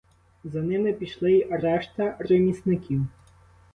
За ними пішли й решта ремісників.